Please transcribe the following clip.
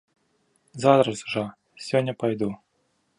Зараз жа, сёння пайду.